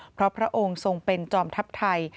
เพราะพระองค์ทรงเป็นจอมทัพไทย